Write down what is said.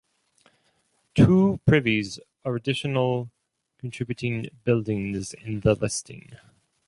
Two privies are additional contributing buildings in the listing.